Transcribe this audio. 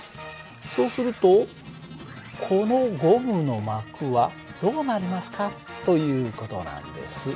そうするとこのゴムの膜はどうなりますかという事なんです。